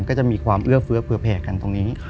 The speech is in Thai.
ก็จะมีความเอื้อเฟื้อเผื่อแผ่กันตรงนี้